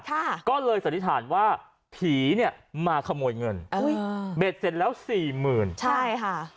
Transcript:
ค่ะก็เลยสันนิษฐานว่าผีเนี้ยมาขโมยเงินอุ้ยเบ็ดเสร็จแล้วสี่หมื่นใช่ค่ะ